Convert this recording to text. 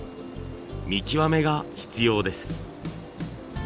見極めが必要です。